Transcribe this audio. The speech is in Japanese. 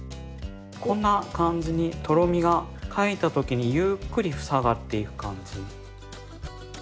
こんな感じにとろみがかいたときにゆっくりふさがっていく感じ。